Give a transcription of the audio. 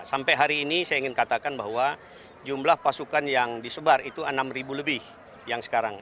sampai hari ini saya ingin katakan bahwa jumlah pasukan yang disebar itu enam lebih yang sekarang